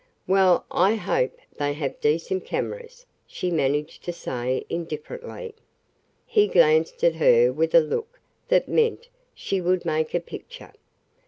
"Well, I hope they have decent cameras," she managed to say indifferently. He glanced at her with a look that meant she would make a picture.